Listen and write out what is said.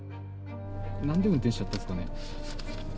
なんで運転しちゃったんです